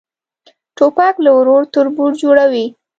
توپک له ورور تربور جوړوي.